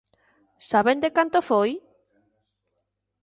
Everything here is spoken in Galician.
¿Saben de canto foi?